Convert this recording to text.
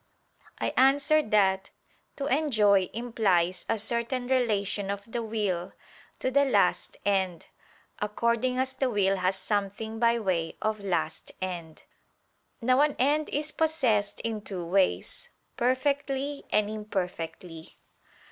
I answer that, To enjoy implies a certain relation of the will to the last end, according as the will has something by way of last end. Now an end is possessed in two ways; perfectly and imperfectly.